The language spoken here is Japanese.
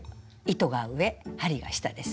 糸が上針は下です。